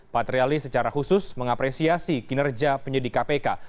patrialis secara khusus mengapresiasi kinerja penyidik kpk